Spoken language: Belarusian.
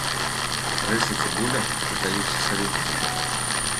Рыс і цыбуля дадаюцца сырымі.